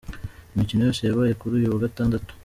Imikino yose yabaye kuri uyu wa Gatandatu:.